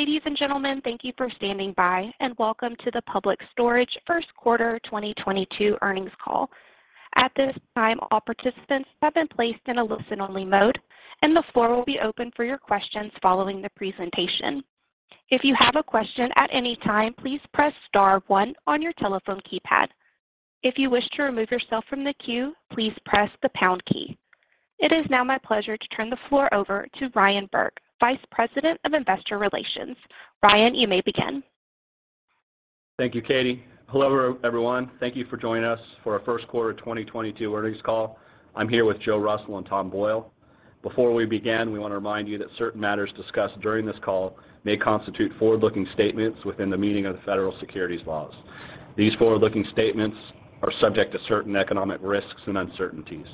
Ladies and gentlemen, thank you for standing by, and welcome to the Public Storage First Quarter 2022 Earnings Call. At this time, all participants have been placed in a listen-only mode, and the floor will be open for your questions following the presentation. If you have a question at any time, please press star one on your telephone keypad. If you wish to remove yourself from the queue, please press the pound key. It is now my pleasure to turn the floor over to Ryan Burke, Vice President of Investor Relations. Ryan, you may begin. Thank you, Katie. Hello, everyone. Thank you for joining us for Our First Quarter 2022 Earnings Call. I'm here with Joe Russell and Tom Boyle. Before we begin, we wanna remind you that certain matters discussed during this call may constitute forward-looking statements within the meaning of the federal securities laws. These forward-looking statements are subject to certain economic risks and uncertainties.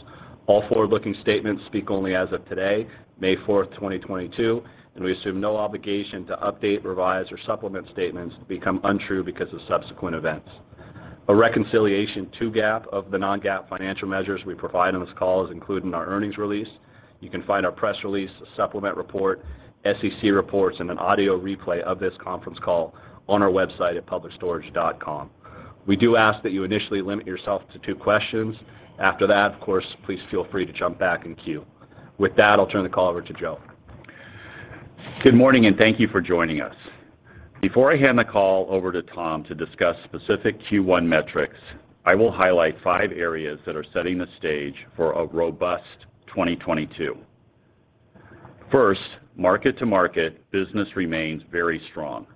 All forward-looking statements speak only as of today, May 4, 2022, and we assume no obligation to update, revise, or supplement statements that become untrue because of subsequent events. A reconciliation to GAAP of the non-GAAP financial measures we provide on this call is included in our earnings release. You can find our press release, supplement report, SEC reports, and an audio replay of this conference call on our website at publicstorage.com. We do ask that you initially limit yourself to two questions. After that, of course, please feel free to jump back in queue. With that, I'll turn the call over to Joe. Good morning, and thank you for joining us. Before I hand the call over to Tom to discuss specific Q1 metrics, I will highlight five areas that are setting the stage for a robust 2022. First, mark-to-market business remains very strong.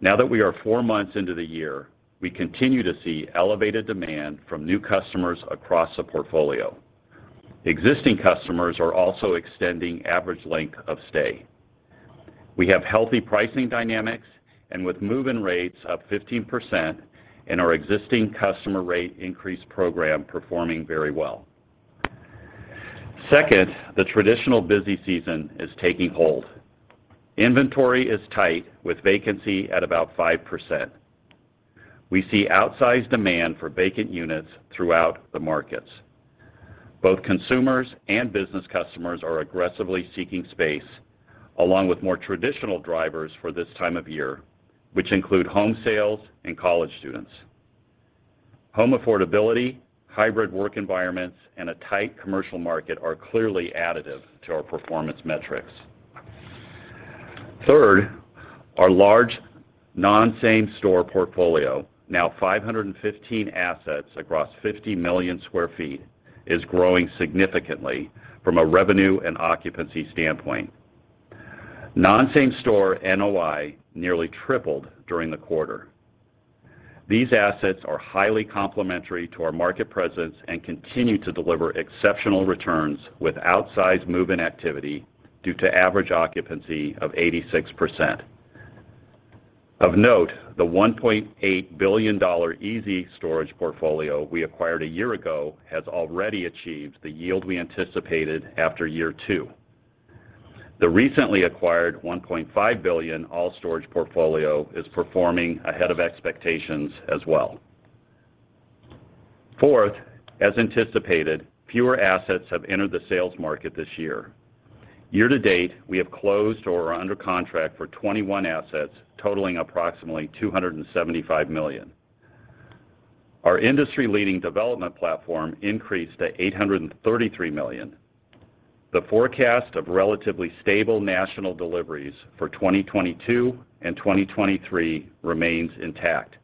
Now that we are four months into the year, we continue to see elevated demand from new customers across the portfolio. Existing customers are also extending average length of stay. We have healthy pricing dynamics, and with move-in rates up 15% and our existing customer rate increase program performing very well. Second, the traditional busy season is taking hold. Inventory is tight, with vacancy at about 5%. We see outsized demand for vacant units throughout the markets. Both consumers and business customers are aggressively seeking space, along with more traditional drivers for this time of year, which include home sales and college students. Home affordability, hybrid work environments, and a tight commercial market are clearly additive to our performance metrics. Third, our large non-same store portfolio, now 515 assets across 50 million sq ft, is growing significantly from a revenue and occupancy standpoint. Non-same store NOI nearly tripled during the quarter. These assets are highly complementary to our market presence and continue to deliver exceptional returns with outsized move-in activity due to average occupancy of 86%. Of note, the $1.8 billion ezStorage portfolio we acquired a year ago has already achieved the yield we anticipated after year two. The recently acquired $1.5 billion All Storage portfolio is performing ahead of expectations as well. Fourth, as anticipated, fewer assets have entered the sales market this year. Year to date, we have closed or are under contract for 21 assets totaling approximately $275 million. Our industry-leading development platform increased to $833 million. The forecast of relatively stable national deliveries for 2022 and 2023 remains intact,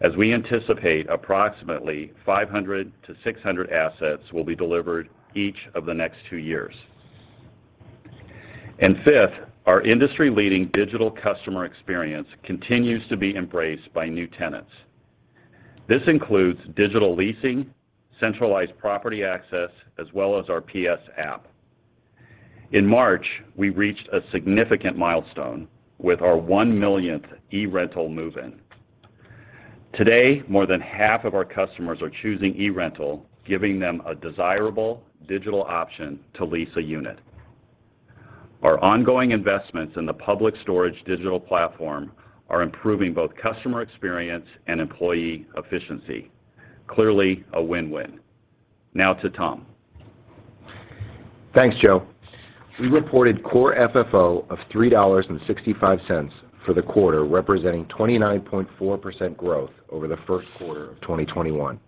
as we anticipate approximately 500-600 assets will be delivered each of the next two years. Fifth, our industry-leading digital customer experience continues to be embraced by new tenants. This includes digital leasing, centralized property access, as well as our PS app. In March, we reached a significant milestone with our 1 millionth eRental move-in. Today, more than half of our customers are choosing eRental, giving them a desirable digital option to lease a unit. Our ongoing investments in the Public Storage digital platform are improving both customer experience and employee efficiency. Clearly a win-win. Now to Tom. Thanks, Joe. We reported Core FFO of $3.65 for the quarter, representing 29.4% growth over the first quarter of 2021.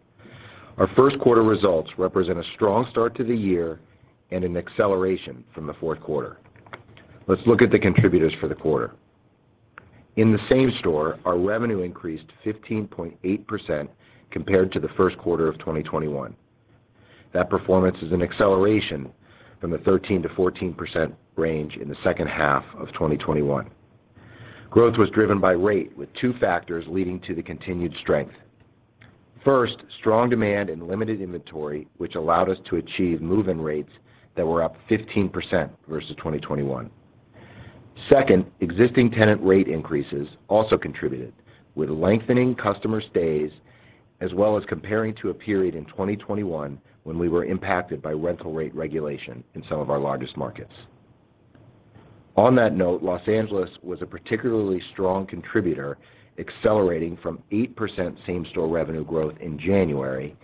Our first quarter results represent a strong start to the year and an acceleration from the fourth quarter. Let's look at the contributors for the quarter. In the same store, our revenue increased 15.8% compared to the first quarter of 2021. That performance is an acceleration from the 13%-14% range in the second half of 2021. Growth was driven by rate, with two factors leading to the continued strength. First, strong demand and limited inventory, which allowed us to achieve move-in rates that were up 15% versus 2021. Second, existing tenant rate increases also contributed, with lengthening customer stays as well as comparing to a period in 2021 when we were impacted by rental rate regulation in some of our largest markets. On that note, Los Angeles was a particularly strong contributor, accelerating from 8% same-store revenue growth in January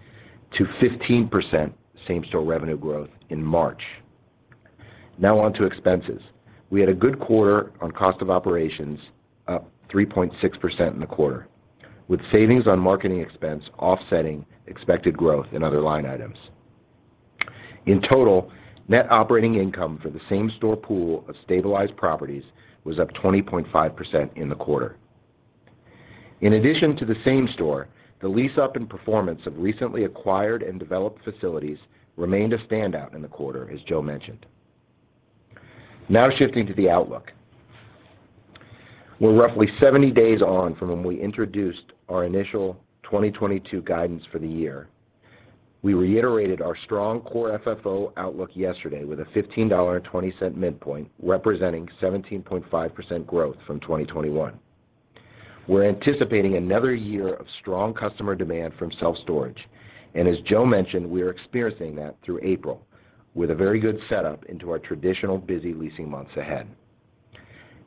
to 15% same-store revenue growth in March. Now on to expenses. We had a good quarter on cost of operations, up 3.6% in the quarter, with savings on marketing expense offsetting expected growth in other line items. In total, net operating income for the same-store pool of stabilized properties was up 20.5% in the quarter. In addition to the same store, the lease-up and performance of recently acquired and developed facilities remained a standout in the quarter, as Joe mentioned. Now shifting to the outlook. We're roughly 70 days on from when we introduced our initial 2022 guidance for the year. We reiterated our strong core FFO outlook yesterday with a $15.20 midpoint, representing 17.5% growth from 2021. We're anticipating another year of strong customer demand from self-storage. As Joe mentioned, we are experiencing that through April with a very good setup into our traditional busy leasing months ahead.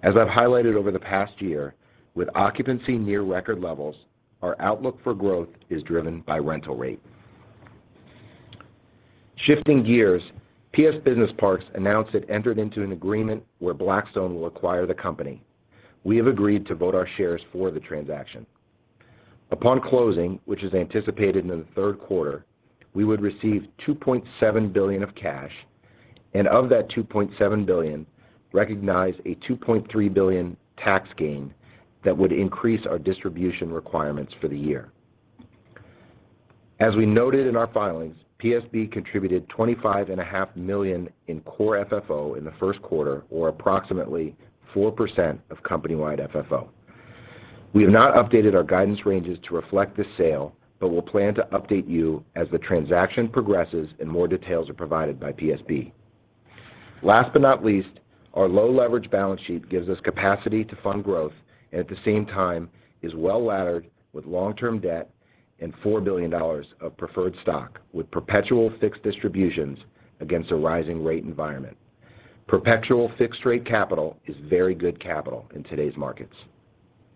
As I've highlighted over the past year, with occupancy near record levels, our outlook for growth is driven by rental rate. Shifting gears, PS Business Parks announced it entered into an agreement where Blackstone will acquire the company. We have agreed to vote our shares for the transaction. Upon closing, which is anticipated in the third quarter, we would receive $2.7 billion of cash, and of that $2.7 billion, recognize a $2.3 billion tax gain that would increase our distribution requirements for the year. As we noted in our filings, PSB contributed $25.5 million in Core FFO in the first quarter, or approximately 4% of company-wide FFO. We have not updated our guidance ranges to reflect this sale, but we'll plan to update you as the transaction progresses and more details are provided by PSB. Last but not least, our low leverage balance sheet gives us capacity to fund growth and at the same time is well-laddered with long-term debt and $4 billion of preferred stock with perpetual fixed distributions against a rising rate environment. Perpetual fixed-rate capital is very good capital in today's markets,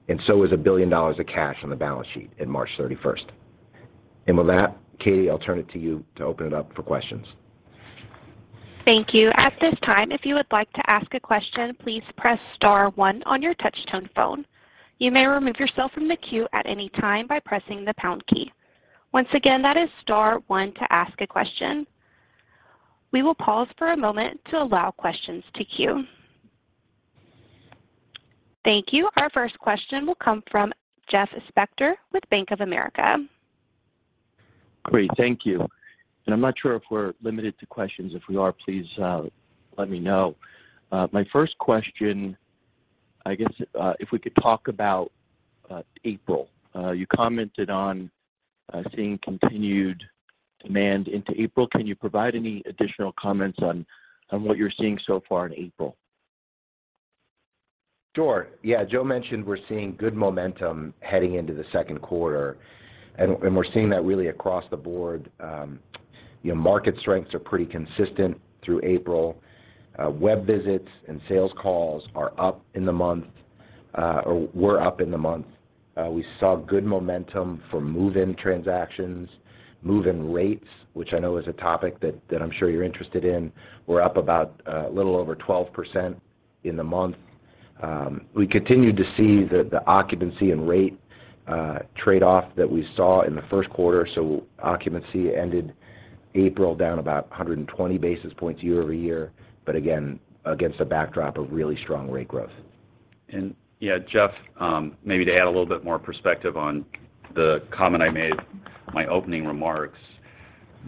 and so is $1 billion of cash on the balance sheet in March 31. With that, Katie, I'll turn it to you to open it up for questions. Thank you. At this time, if you would like to ask a question, please press star one on your touch-tone phone. You may remove yourself from the queue at any time by pressing the pound key. Once again, that is star one to ask a question. We will pause for a moment to allow questions to queue. Thank you. Our first question will come from Jeff Spector with Bank of America. Great. Thank you. I'm not sure if we're limited to questions. If we are, please, let me know. My first question, I guess, if we could talk about April. You commented on seeing continued demand into April. Can you provide any additional comments on what you're seeing so far in April? Sure. Yeah. Joe mentioned we're seeing good momentum heading into the second quarter, and we're seeing that really across the board. You know, market strengths are pretty consistent through April. Web visits and sales calls are up in the month, or were up in the month. We saw good momentum for move-in transactions, move-in rates, which I know is a topic that I'm sure you're interested in, were up about a little over 12% in the month. We continued to see the occupancy and rate trade-off that we saw in the first quarter, so occupancy ended April down about 120 basis points year-over-year, but again, against a backdrop of really strong rate growth. Yeah, Jeff, maybe to add a little bit more perspective on the comment I made in my opening remarks,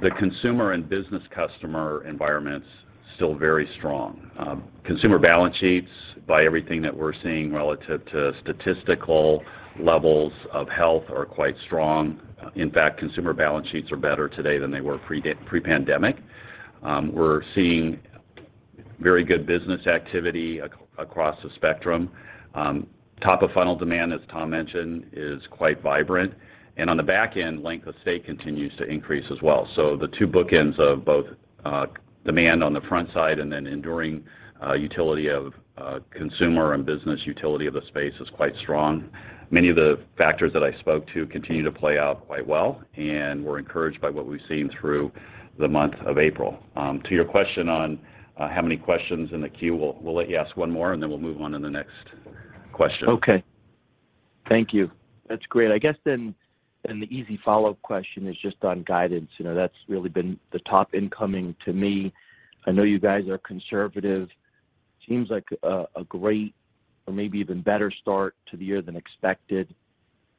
the consumer and business customer environment's still very strong. Consumer balance sheets by everything that we're seeing relative to statistical levels of health are quite strong. In fact, consumer balance sheets are better today than they were pre-pandemic. We're seeing very good business activity across the spectrum. Top of funnel demand, as Tom mentioned, is quite vibrant. On the back end, length of stay continues to increase as well. The two bookends of both, demand on the front side and then enduring utility of consumer and business utility of the space is quite strong. Many of the factors that I spoke to continue to play out quite well, and we're encouraged by what we've seen through the month of April. To your question on how many questions in the queue, we'll let you ask one more, and then we'll move on to the next question. Okay. Thank you. That's great. I guess then the easy follow-up question is just on guidance. You know, that's really been the top incoming to me. I know you guys are conservative. Seems like a great or maybe even better start to the year than expected.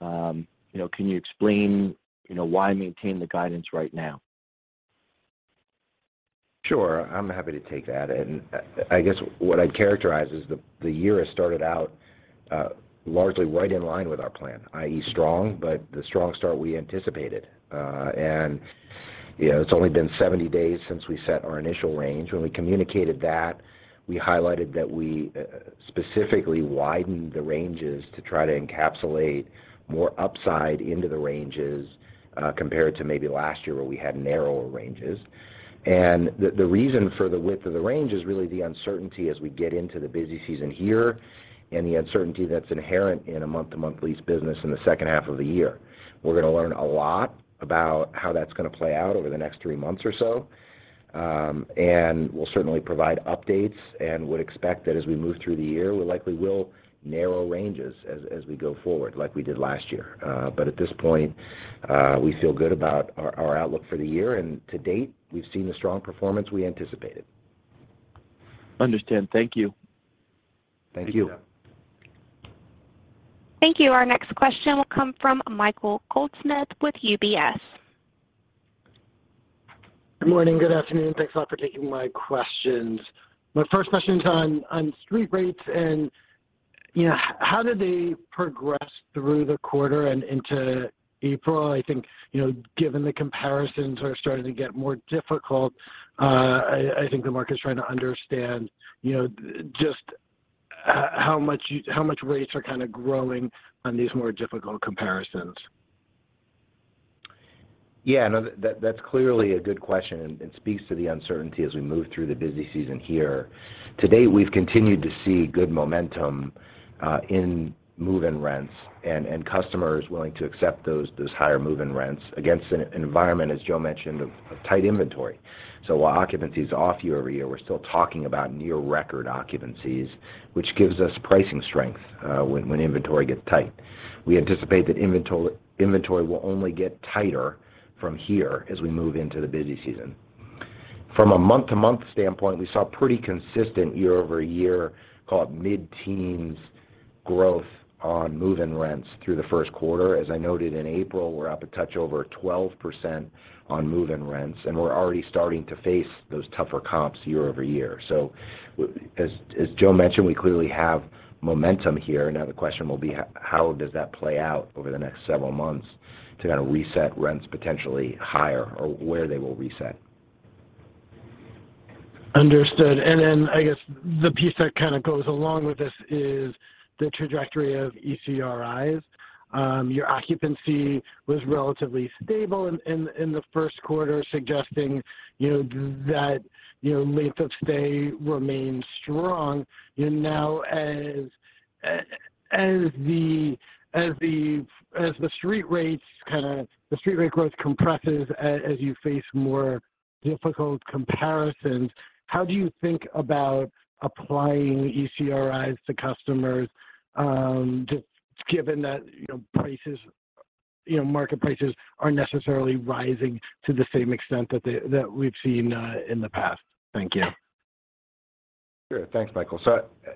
You know, can you explain, you know, why maintain the guidance right now? Sure. I'm happy to take that. I guess what I'd characterize is the year has started out largely right in line with our plan, i.e. strong, but the strong start we anticipated. You know, it's only been 70 days since we set our initial range. When we communicated that, we highlighted that we specifically widened the ranges to try to encapsulate more upside into the ranges compared to maybe last year where we had narrower ranges. The reason for the width of the range is really the uncertainty as we get into the busy season here and the uncertainty that's inherent in a month-to-month lease business in the second half of the year. We're gonna learn a lot about how that's gonna play out over the next three months or so. We'll certainly provide updates and would expect that as we move through the year, we likely will narrow ranges as we go forward like we did last year. At this point, we feel good about our outlook for the year. To date, we've seen the strong performance we anticipated. Understand. Thank you. Thank you. Thank you. Our next question will come from Michael Goldsmith with UBS. Good morning. Good afternoon. Thanks a lot for taking my questions. My first question's on street rates, and, you know, how did they progress through the quarter and into April? I think, you know, given the comparisons are starting to get more difficult, I think the market's trying to understand, you know, just how much rates are kind of growing on these more difficult comparisons. Yeah, no, that's clearly a good question and speaks to the uncertainty as we move through the busy season here. To date, we've continued to see good momentum in move-in rents and customers willing to accept those higher move-in rents against an environment, as Joe mentioned, of tight inventory. While occupancy is off year-over-year, we're still talking about near record occupancies, which gives us pricing strength when inventory gets tight. We anticipate that inventory will only get tighter from here as we move into the busy season. From a month-to-month standpoint, we saw pretty consistent year-over-year call it mid-teens growth on move-in rents through the first quarter. As I noted in April, we're up a touch over 12% on move-in rents, and we're already starting to face those tougher comps year-over-year. As Joe mentioned, we clearly have momentum here. Now the question will be how does that play out over the next several months to kind of reset rents potentially higher or where they will reset. Understood. I guess the piece that kind of goes along with this is the trajectory of ECRIs. Your occupancy was relatively stable in the first quarter, suggesting, you know, that, you know, length of stay remains strong. You know, as the street rates kind of the street rate growth compresses as you face more difficult comparisons, how do you think about applying ECRIs to customers, just given that, you know, prices, you know, market prices aren't necessarily rising to the same extent that we've seen in the past? Thank you. Sure. Thanks, Michael.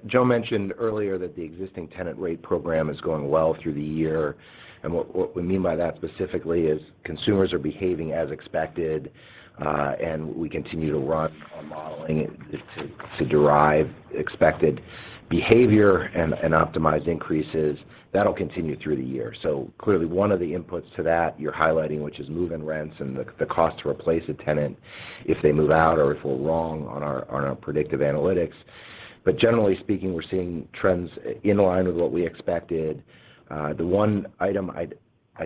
Joe mentioned earlier that the existing tenant rate program is going well through the year. What we mean by that specifically is consumers are behaving as expected, and we continue to run our modeling to derive expected behavior and optimize increases. That'll continue through the year. Clearly, one of the inputs to that you're highlighting, which is move-in rents and the cost to replace a tenant if they move out or if we're wrong on our predictive analytics. Generally speaking, we're seeing trends in line with what we expected. The one item I'd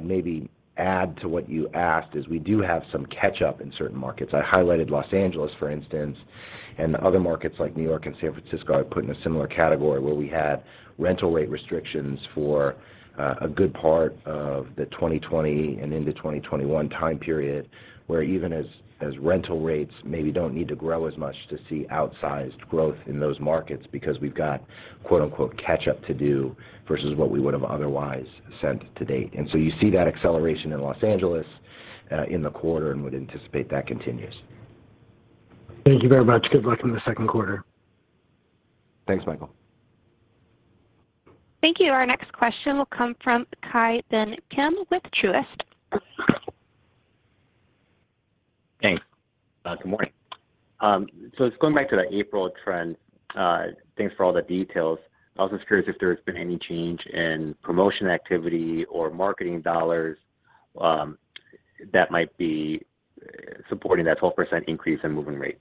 maybe add to what you asked is we do have some catch-up in certain markets. I highlighted Los Angeles, for instance, and other markets like New York and San Francisco I'd put in a similar category where we had rental rate restrictions for a good part of the 2020 and into 2021 time period, where even as rental rates maybe don't need to grow as much to see outsized growth in those markets because we've got, quote, unquote, "catch up to do" versus what we would have otherwise seen to date. You see that acceleration in Los Angeles in the quarter and would anticipate that continues. Thank you very much. Good luck in the second quarter. Thanks, Michael. Thank you. Our next question will come from Ki Bin Kim with Truist. Thanks. Good morning. Just going back to the April trends, thanks for all the details. I was just curious if there's been any change in promotion activity or marketing dollars, that might be supporting that 12% increase in moving rates.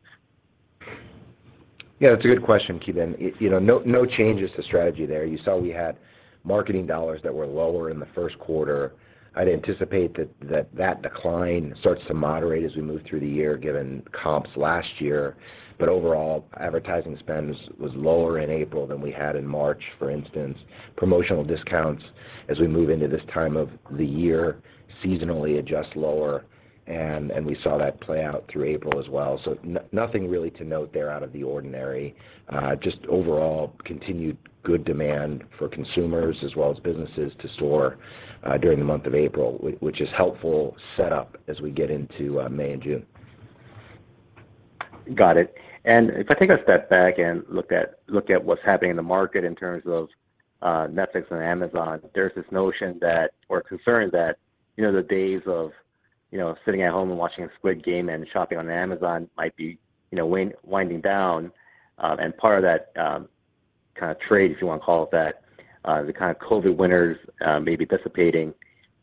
Yeah, that's a good question, Ki Bin. You know, no changes to strategy there. You saw we had marketing dollars that were lower in the first quarter. I'd anticipate that decline starts to moderate as we move through the year, given comps last year. Overall, advertising spends was lower in April than we had in March, for instance. Promotional discounts as we move into this time of the year seasonally adjust lower, and we saw that play out through April as well. Nothing really to note there out of the ordinary. Just overall continued good demand for consumers as well as businesses to store during the month of April, which is helpful set up as we get into May and June. Got it. If I take a step back and look at what's happening in the market in terms of Netflix and Amazon, there's this notion that, or concern that, you know, the days of, you know, sitting at home and watching Squid Game and shopping on Amazon might be, you know, winding down. Part of that kind of trade, if you want to call it that, the kind of COVID winners may be dissipating.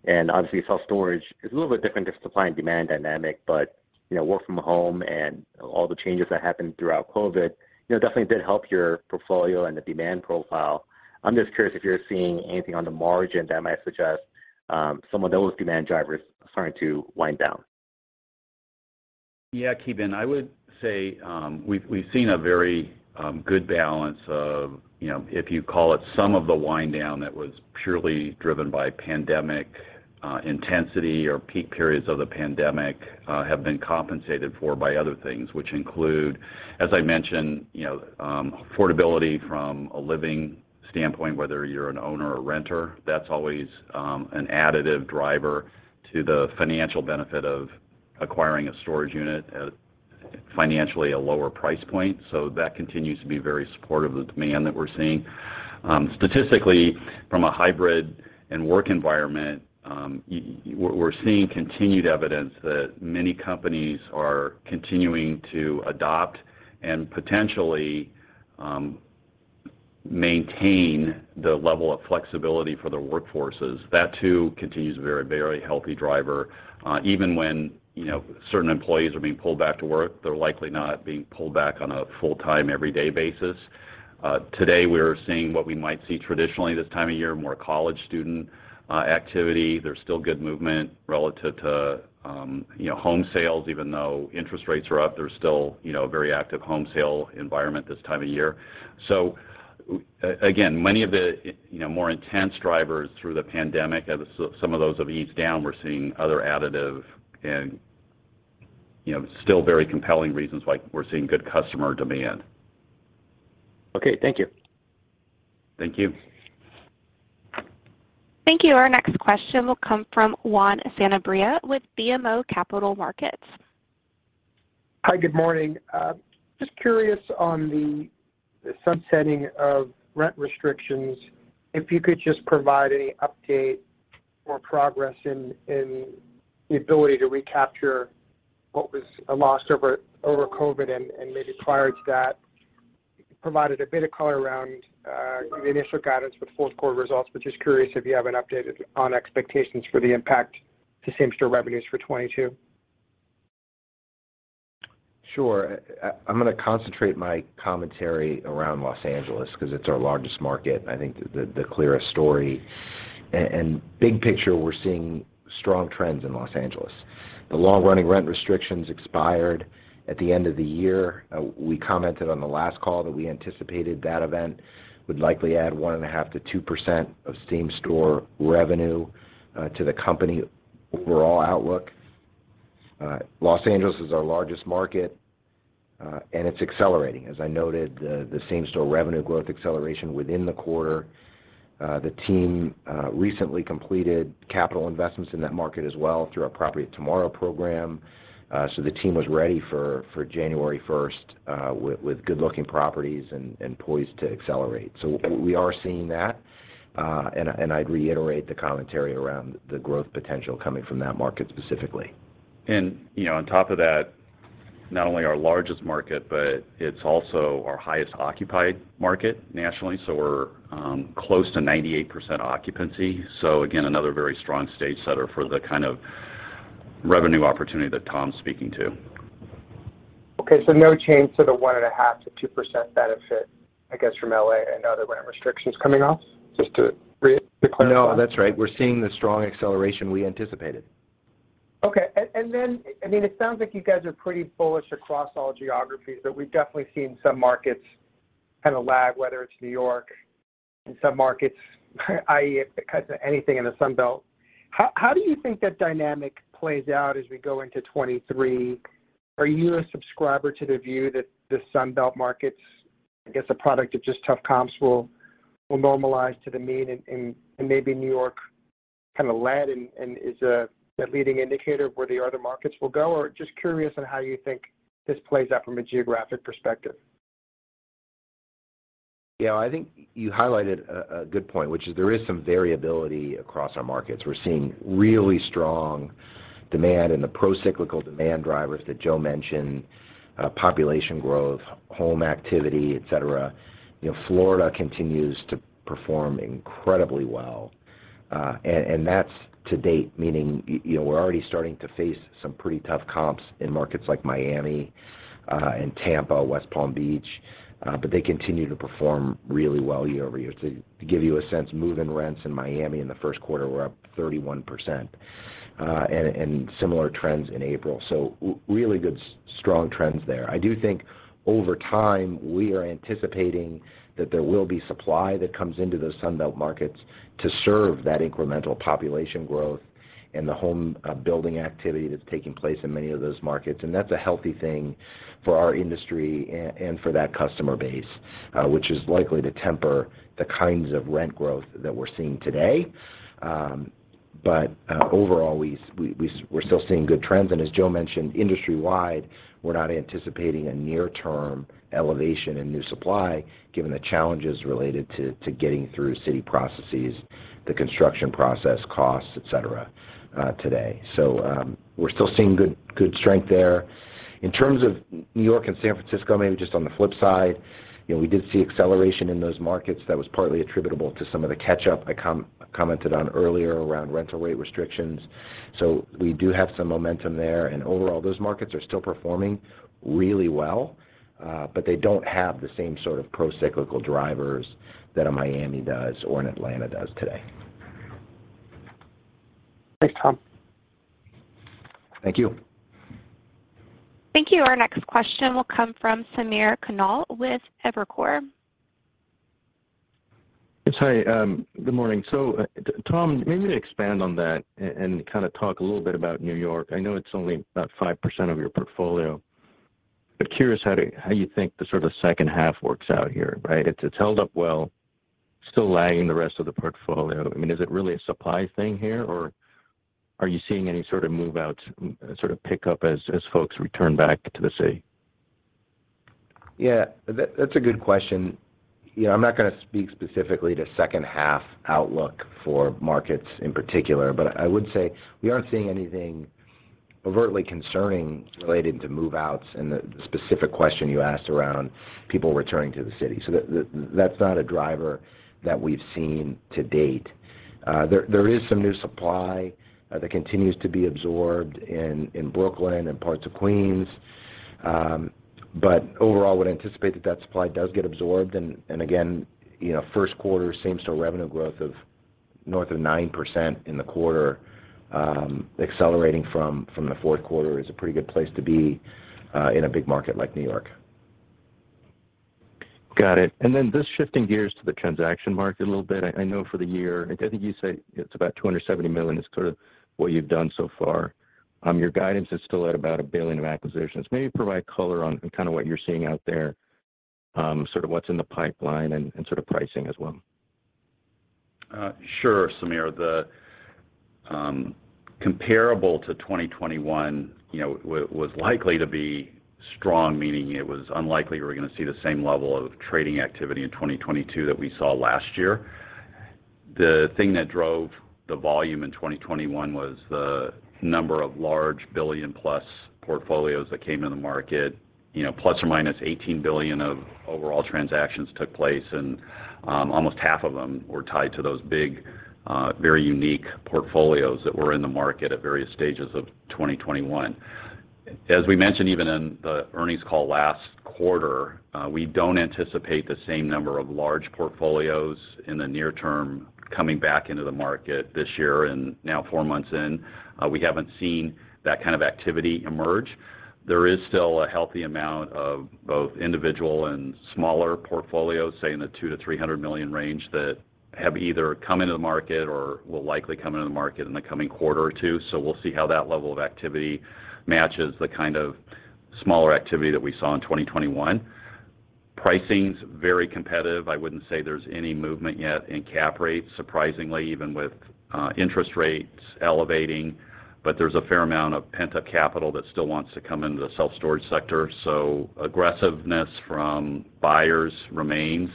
Obviously, self-storage is a little bit different, just supply and demand dynamic. You know, work from home and all the changes that happened throughout COVID, you know, definitely did help your portfolio and the demand profile. I'm just curious if you're seeing anything on the margin that might suggest some of those demand drivers starting to wind down. Yeah, Ki Bin, I would say, we've seen a very good balance of, you know, if you call it some of the wind down that was purely driven by pandemic intensity or peak periods of the pandemic have been compensated for by other things, which include, as I mentioned, you know, affordability from a living standpoint, whether you're an owner or renter. That's always an additive driver to the financial benefit of acquiring a storage unit at financially a lower price point. So that continues to be very supportive of the demand that we're seeing. Statistically from a hybrid work environment, we're seeing continued evidence that many companies are continuing to adopt and potentially maintain the level of flexibility for their workforces. That too continues a very, very healthy driver, even when, you know, certain employees are being pulled back to work, they're likely not being pulled back on a full-time, everyday basis. Today we're seeing what we might see traditionally this time of year, more college student activity. There's still good movement relative to, you know, home sales, even though interest rates are up. There's still, you know, a very active home sale environment this time of year. So again, many of the, you know, more intense drivers through the pandemic, as some of those have eased down, we're seeing other additive and, you know, still very compelling reasons why we're seeing good customer demand. Okay, thank you. Thank you. Thank you. Our next question will come from Juan Sanabria with BMO Capital Markets. Hi, good morning. Just curious on the sunsetting of rent restrictions, if you could just provide any update or progress in the ability to recapture what was lost over COVID and maybe prior to that. You provided a bit of color around the initial guidance with fourth quarter results, but just curious if you have an update on expectations for the impact to same-store revenues for 2022. Sure. I'm gonna concentrate my commentary around Los Angeles 'cause it's our largest market, and I think the clearest story. Big picture, we're seeing strong trends in Los Angeles. The long-running rent restrictions expired at the end of the year. We commented on the last call that we anticipated that event would likely add 1.5%-2% of same-store revenue to the company overall outlook. Los Angeles is our largest market, and it's accelerating. As I noted, the same-store revenue growth acceleration within the quarter. The team recently completed capital investments in that market as well through our Property of Tomorrow program. So the team was ready for January first, with good-looking properties and poised to accelerate. We are seeing that, and I'd reiterate the commentary around the growth potential coming from that market specifically. You know, on top of that, not only our largest market, but it's also our highest occupied market nationally, so we're close to 98% occupancy. Again, another very strong stage setter for the kind of revenue opportunity that Tom's speaking to. Okay. No change to the 1.5%-2% benefit, I guess, from L.A. and other rent restrictions coming off? Just to clarify. No, that's right. We're seeing the strong acceleration we anticipated. Okay. Then, I mean, it sounds like you guys are pretty bullish across all geographies, but we've definitely seen some markets kind of lag, whether it's New York and some markets, i.e., if it has anything in the Sun Belt. How do you think that dynamic plays out as we go into 2023? Are you a subscriber to the view that the Sun Belt markets, I guess, a product of just tough comps will normalize to the mean in maybe New York kind of lag and is a leading indicator of where the other markets will go? Or just curious on how you think this plays out from a geographic perspective. Yeah, I think you highlighted a good point, which is there is some variability across our markets. We're seeing really strong demand in the pro-cyclical demand drivers that Joe mentioned, population growth, home activity, et cetera. You know, Florida continues to perform incredibly well. And that's to date, meaning, you know, we're already starting to face some pretty tough comps in markets like Miami, and Tampa, West Palm Beach, but they continue to perform really well year-over-year. To give you a sense, move-in rents in Miami in the first quarter were up 31%, and similar trends in April. So really good strong trends there. I do think over time, we are anticipating that there will be supply that comes into those Sun Belt markets to serve that incremental population growth and the home building activity that's taking place in many of those markets. That's a healthy thing for our industry and for that customer base, which is likely to temper the kinds of rent growth that we're seeing today. Overall, we're still seeing good trends. As Joe mentioned, industry-wide, we're not anticipating a near-term elevation in new supply given the challenges related to getting through city processes, the construction process costs, et cetera, today. We're still seeing good strength there. In terms of New York and San Francisco, maybe just on the flip side, you know, we did see acceleration in those markets that was partly attributable to some of the catch-up I commented on earlier around rental rate restrictions. We do have some momentum there, and overall, those markets are still performing really well, but they don't have the same sort of pro-cyclical drivers that a Miami does or an Atlanta does today. Thanks, Tom. Thank you. Thank you. Our next question will come from Samir Khanal with Evercore. Hi. Good morning. Tom, maybe expand on that and kind of talk a little bit about New York. I know it's only about 5% of your portfolio, but curious how you think the sort of second half works out here, right? It's held up well, still lagging the rest of the portfolio. I mean, is it really a supply thing here, or are you seeing any sort of move-outs, sort of pick up as folks return back to the city? Yeah. That's a good question. You know, I'm not gonna speak specifically to second half outlook for markets in particular, but I would say we aren't seeing anything overtly concerning related to move-outs and the specific question you asked around people returning to the city. That's not a driver that we've seen to date. There is some new supply that continues to be absorbed in Brooklyn and parts of Queens. Overall would anticipate that supply does get absorbed and again, you know, first quarter same-store revenue growth of north of 9% in the quarter, accelerating from the fourth quarter is a pretty good place to be in a big market like New York. Got it. Then just shifting gears to the transaction market a little bit. I know for the year, I think you say it's about $270 million is sort of what you've done so far. Your guidance is still at about $1 billion of acquisitions. Maybe provide color on kind of what you're seeing out there, sort of what's in the pipeline and sort of pricing as well. Sure, Samir. The comparable to 2021, you know, was likely to be strong, meaning it was unlikely we were gonna see the same level of trading activity in 2022 that we saw last year. The thing that drove the volume in 2021 was the number of large billion-plus portfolios that came in the market. You know, ± $18 billion of overall transactions took place, and almost half of them were tied to those big, very unique portfolios that were in the market at various stages of 2021. As we mentioned even in the earnings call last quarter, we don't anticipate the same number of large portfolios in the near term coming back into the market this year, and now four months in, we haven't seen that kind of activity emerge. There is still a healthy amount of both individual and smaller portfolios, say in the $200-$300 million range, that have either come into the market or will likely come into the market in the coming quarter or two. We'll see how that level of activity matches the kind of smaller activity that we saw in 2021. Pricing's very competitive. I wouldn't say there's any movement yet in cap rates, surprisingly, even with interest rates elevating, but there's a fair amount of pent-up capital that still wants to come into the self-storage sector. Aggressiveness from buyers remains.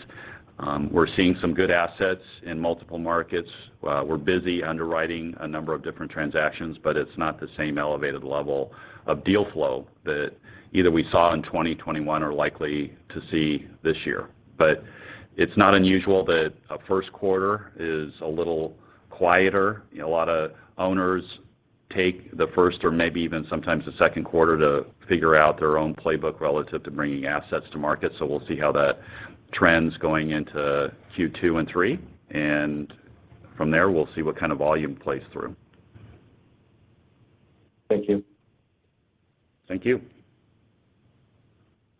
We're seeing some good assets in multiple markets. We're busy underwriting a number of different transactions, but it's not the same elevated level of deal flow that either we saw in 2021 or likely to see this year. It's not unusual that a first quarter is a little quieter. You know, a lot of owners take the first or maybe even sometimes the second quarter to figure out their own playbook relative to bringing assets to market. We'll see how that trends going into Q2 and Q3, and from there, we'll see what kind of volume plays through. Thank you. Thank you.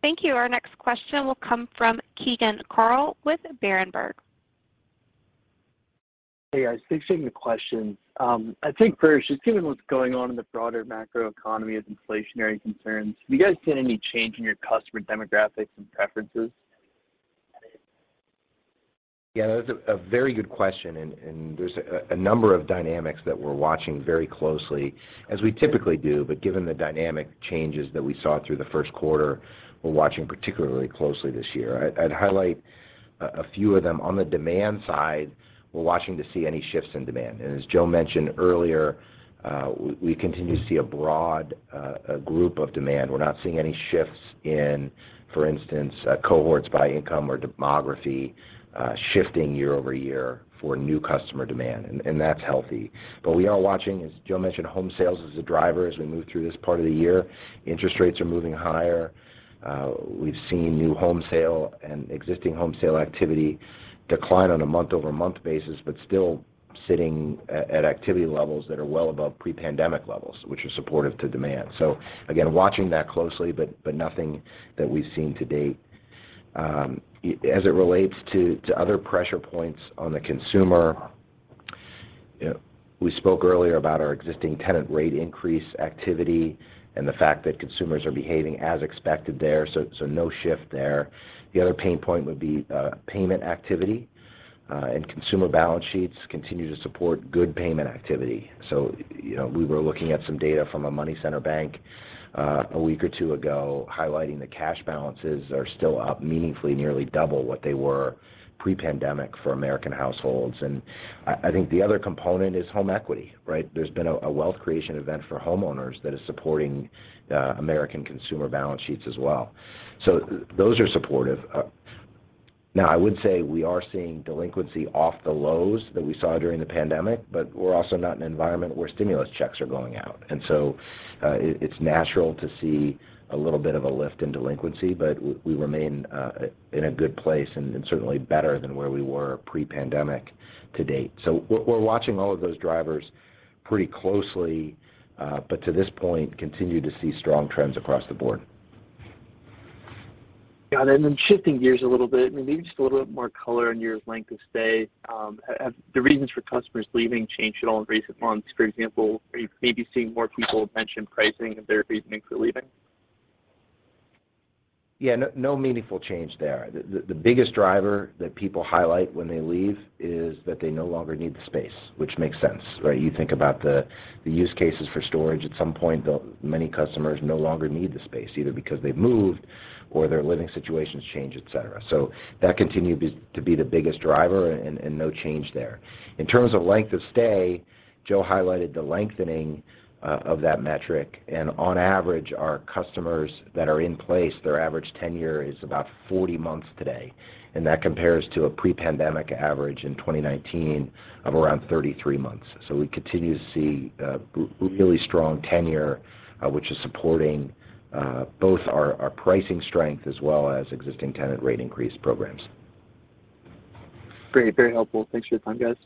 Thank you. Our next question will come from Keegan Carl with Berenberg. Hey, guys. Thanks for taking the questions. I think first, just given what's going on in the broader macro economy as inflationary concerns, have you guys seen any change in your customer demographics and preferences? Yeah. That's a very good question and there's a number of dynamics that we're watching very closely, as we typically do. Given the dynamic changes that we saw through the first quarter, we're watching particularly closely this year. I'd highlight a few of them. On the demand side, we're watching to see any shifts in demand. As Joe mentioned earlier, we continue to see a broad group of demand. We're not seeing any shifts in, for instance, cohorts by income or demographics shifting year over year for new customer demand, and that's healthy. We are watching, as Joe mentioned, home sales as a driver as we move through this part of the year. Interest rates are moving higher. We've seen new home sale and existing home sale activity decline on a month-over-month basis, but still sitting at activity levels that are well above pre-pandemic levels, which are supportive to demand. Again, watching that closely, but nothing that we've seen to date. As it relates to other pressure points on the consumer, you know, we spoke earlier about our existing tenant rate increase activity and the fact that consumers are behaving as expected there, so no shift there. The other pain point would be payment activity, and consumer balance sheets continue to support good payment activity. You know, we were looking at some data from a money center bank, a week or two ago, highlighting the cash balances are still up meaningfully, nearly double what they were pre-pandemic for American households. I think the other component is home equity, right? There's been a wealth creation event for homeowners that is supporting American consumer balance sheets as well. Those are supportive. Now, I would say we are seeing delinquency off the lows that we saw during the pandemic, but we're also not in an environment where stimulus checks are going out. It's natural to see a little bit of a lift in delinquency, but we remain in a good place and certainly better than where we were pre-pandemic to date. We're watching all of those drivers pretty closely, but to this point, continue to see strong trends across the board. Got it. Shifting gears a little bit, maybe just a little bit more color on your length of stay. Have the reasons for customers leaving changed at all in recent months? For example, are you maybe seeing more people mention pricing as their reasoning for leaving? Yeah, no meaningful change there. The biggest driver that people highlight when they leave is that they no longer need the space, which makes sense, right? You think about the use cases for storage. At some point, many customers no longer need the space, either because they've moved or their living situations change, et cetera. That continued to be the biggest driver and no change there. In terms of length of stay, Joe highlighted the lengthening of that metric, and on average, our customers that are in place, their average tenure is about 40 months today, and that compares to a pre-pandemic average in 2019 of around 33 months. We continue to see really strong tenure, which is supporting both our pricing strength as well as existing tenant rate increase programs. Great. Very helpful. Thanks for your time, guys.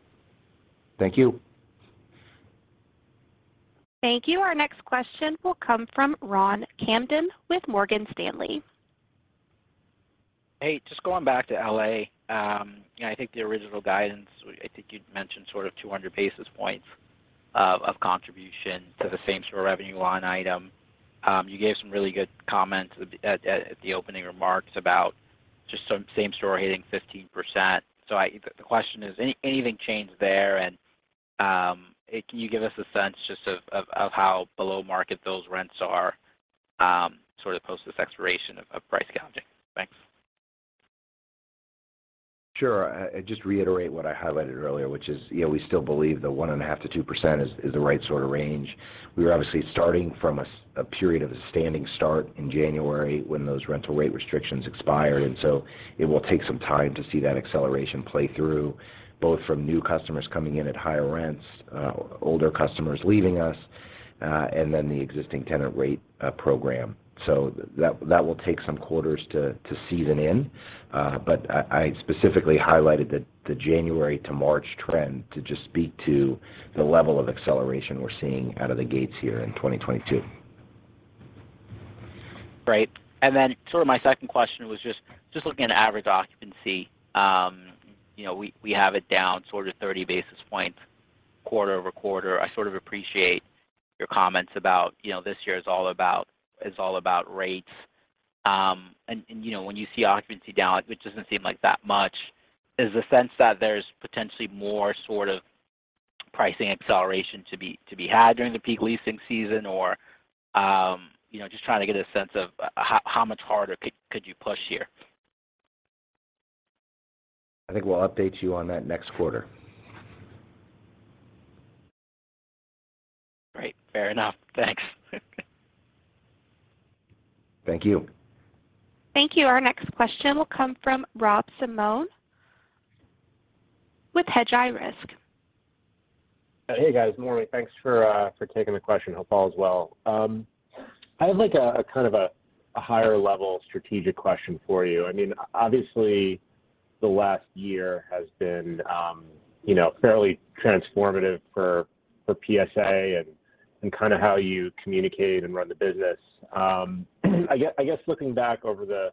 Thank you. Thank you. Our next question will come from Ronald Kamdem with Morgan Stanley. Hey, just going back to L.A., you know, I think the original guidance, I think you'd mentioned sort of 200 basis points of contribution to the same-store revenue line item. You gave some really good comments at the opening remarks about just some same-store hitting 15%. The question is, anything changed there? And, can you give us a sense just of how below market those rents are, sort of post this expiration of price counting? Thanks. Sure. Just reiterate what I highlighted earlier, which is, you know, we still believe that 1.5%-2% is the right sort of range. We were obviously starting from a period of a standing start in January when those rental rate restrictions expired, and so it will take some time to see that acceleration play through, both from new customers coming in at higher rents, older customers leaving us, and then the existing tenant rate program. That will take some quarters to season in. I specifically highlighted the January to March trend to just speak to the level of acceleration we're seeing out of the gates here in 2022. Right. Then sort of my second question was just looking at average occupancy, you know, we have it down sort of 30 basis points quarter-over-quarter. I sort of appreciate your comments about, you know, this year is all about rates. You know, when you see occupancy down, which doesn't seem like that much, is the sense that there's potentially more sort of pricing acceleration to be had during the peak leasing season or, you know, just trying to get a sense of how much harder could you push here? I think we'll update you on that next quarter. Great. Fair enough. Thanks. Thank you. Thank you. Our next question will come from Rob Simone with Hedgeye Risk. Hey, guys. Morning. Thanks for taking the question. Hope all is well. I have like a kind of higher level strategic question for you. I mean, obviously, the last year has been you know, fairly transformative for PSA and kind of how you communicate and run the business. I guess looking back over the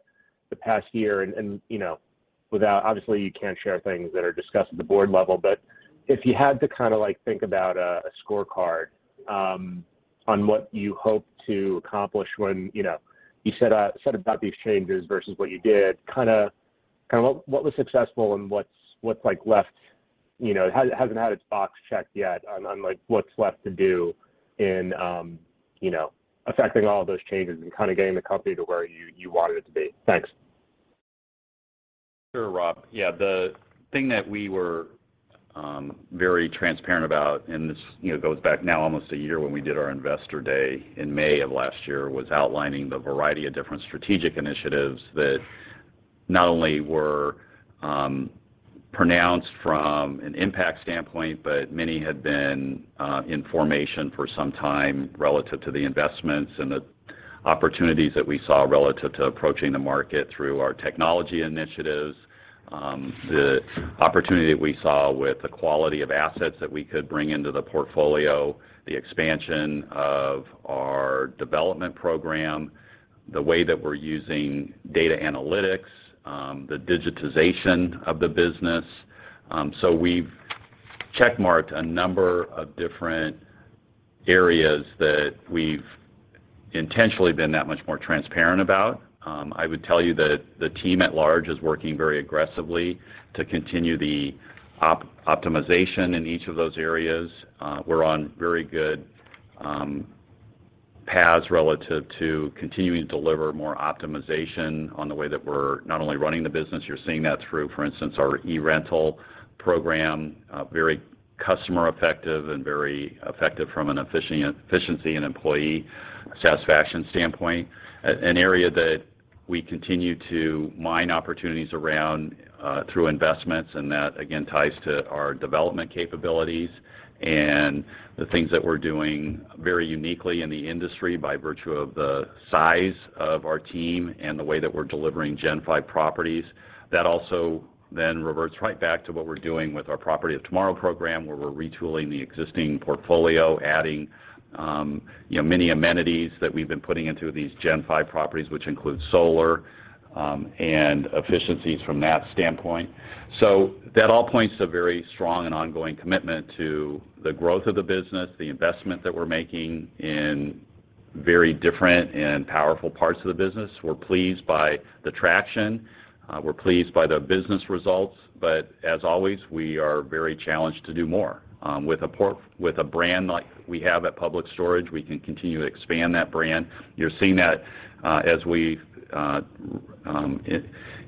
past year and you know, without. Obviously, you can't share things that are discussed at the board level, but if you had to kind of like think about a scorecard on what you hope to accomplish when you know you set out set about these changes versus what you did, kind of what was successful and what's like left, you know, hasn't had its box checked yet on like what's left to do in you know affecting all of those changes and kind of getting the company to where you wanted it to be. Thanks. Sure, Rob. Yeah. The thing that we were very transparent about, and this, you know, goes back now almost a year when we did our investor day in May of last year, was outlining the variety of different strategic initiatives that not only were pronounced from an impact standpoint, but many had been in formation for some time relative to the investments and the opportunities that we saw relative to approaching the market through our technology initiatives, the opportunity that we saw with the quality of assets that we could bring into the portfolio, the expansion of our development program, the way that we're using data analytics, the digitization of the business. We've checkmarked a number of different areas that we've intentionally been that much more transparent about. I would tell you that the team at large is working very aggressively to continue the optimization in each of those areas. We're on very good paths relative to continuing to deliver more optimization on the way that we're not only running the business. You're seeing that through, for instance, our eRental program, very customer effective and very effective from an efficiency and employee Satisfaction standpoint, an area that we continue to mine opportunities around, through investments, and that again ties to our development capabilities and the things that we're doing very uniquely in the industry by virtue of the size of our team and the way that we're delivering Gen5 properties. That also then reverts right back to what we're doing with our Property of Tomorrow program, where we're retooling the existing portfolio, adding, you know, many amenities that we've been putting into these Gen5 properties, which include solar, and efficiencies from that standpoint. That all points to very strong and ongoing commitment to the growth of the business, the investment that we're making in very different and powerful parts of the business. We're pleased by the traction. We're pleased by the business results. As always, we are very challenged to do more, with a brand like we have at Public Storage, we can continue to expand that brand. You're seeing that, as we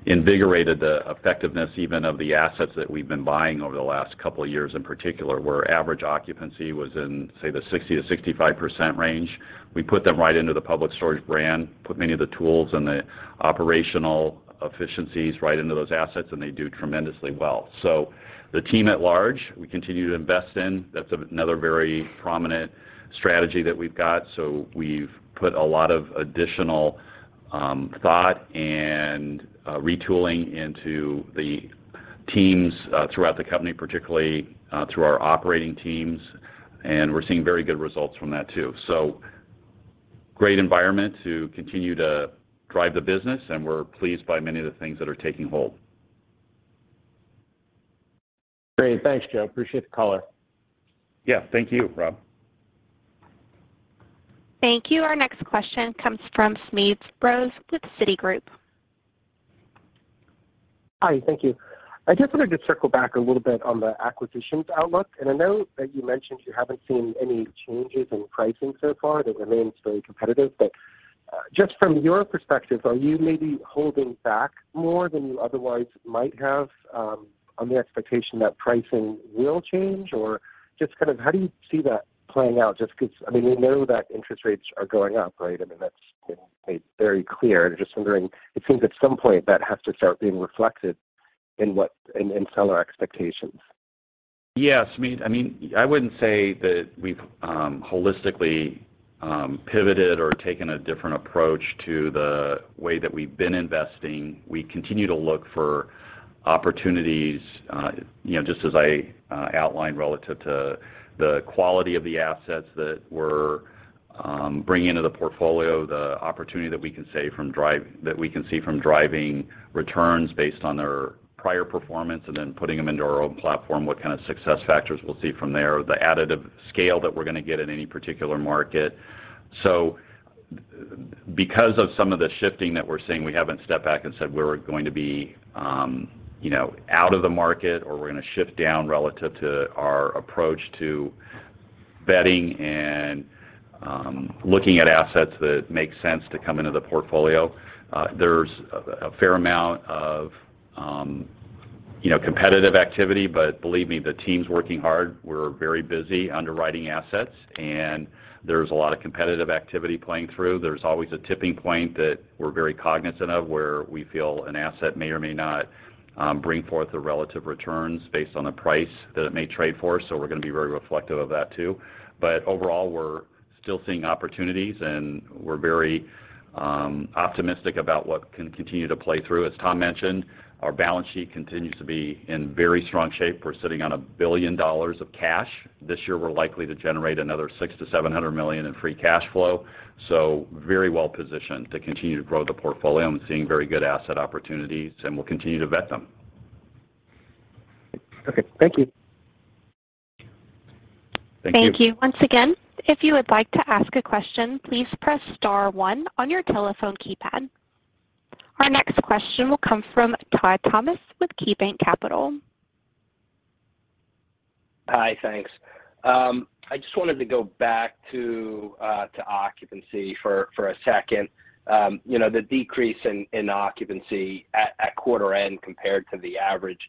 invigorated the effectiveness even of the assets that we've been buying over the last couple of years, in particular, where average occupancy was in, say, the 60%-65% range. We put them right into the Public Storage brand, put many of the tools and the operational efficiencies right into those assets, and they do tremendously well. The team at large, we continue to invest in. That's another very prominent strategy that we've got. We've put a lot of additional thought and retooling into the teams throughout the company, particularly through our operating teams, and we're seeing very good results from that too. Great environment to continue to drive the business, and we're pleased by many of the things that are taking hold. Great. Thanks, Joe. Appreciate the call. Yeah. Thank you, Rob. Thank you. Our next question comes from Smedes Rose with Citigroup. Hi. Thank you. I just wanted to circle back a little bit on the acquisitions outlook. I know that you mentioned you haven't seen any changes in pricing so far, that remains very competitive. Just from your perspective, are you maybe holding back more than you otherwise might have, on the expectation that pricing will change, or just kind of how do you see that playing out just 'cause, I mean, we know that interest rates are going up, right? I mean, that's been made very clear. Just wondering, it seems at some point that has to start being reflected in what in seller expectations. Yes. I mean, I wouldn't say that we've holistically pivoted or taken a different approach to the way that we've been investing. We continue to look for opportunities, you know, just as I outlined relative to the quality of the assets that we're bringing into the portfolio, the opportunity that we can see from driving returns based on their prior performance and then putting them into our own platform, what kind of success factors we'll see from there, the additive scale that we're gonna get in any particular market. Because of some of the shifting that we're seeing, we haven't stepped back and said we're going to be, you know, out of the market or we're gonna shift down relative to our approach to vetting and, looking at assets that make sense to come into the portfolio. There's a fair amount of, you know, competitive activity, but believe me, the team's working hard. We're very busy underwriting assets, and there's a lot of competitive activity playing through. There's always a tipping point that we're very cognizant of, where we feel an asset may or may not bring forth the relative returns based on the price that it may trade for. We're gonna be very reflective of that too. Overall, we're still seeing opportunities, and we're very optimistic about what can continue to play through. As Tom mentioned, our balance sheet continues to be in very strong shape. We're sitting on $1 billion of cash. This year, we're likely to generate another $600 million-$700 million in free cash flow. Very well positioned to continue to grow the portfolio and we're seeing very good asset opportunities, and we'll continue to vet them. Okay. Thank you. Thank you. Thank you. Once again, if you would like to ask a question, please press star one on your telephone keypad. Our next question will come from Todd Thomas with KeyBanc Capital. Hi. Thanks. I just wanted to go back to occupancy for a second. You know, the decrease in occupancy at quarter end compared to the average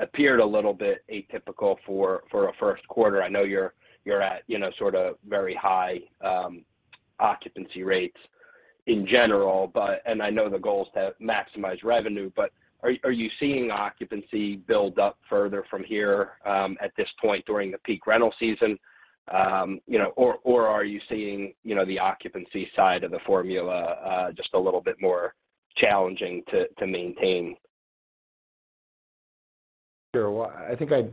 appeared a little bit atypical for a first quarter. I know you're at, you know, sort of very high occupancy rates in general, but I know the goal is to maximize revenue. Are you seeing occupancy build up further from here at this point during the peak rental season? You know, or are you seeing, you know, the occupancy side of the formula just a little bit more challenging to maintain? Sure. Well, I think I'd